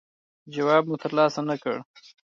جواب مو ترلاسه نه کړ.